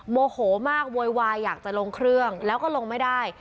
โมโหมากโวยวายอยากจะลงเครื่องแล้วก็ลงไม่ได้